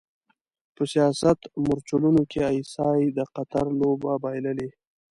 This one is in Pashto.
په سیاست مورچلونو کې ای ایس ای د قطر لوبه بایللې.